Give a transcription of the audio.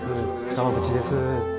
川渕です